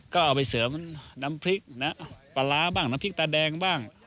ก็เอาไปเสริมน้ำพริกนะปลาร้าบ้างน้ำพริกตาแดงบ้าง